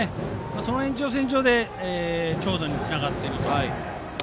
その延長線上で長打につながっていると。